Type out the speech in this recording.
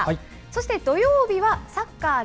そして土曜日は、サッカーＪ１。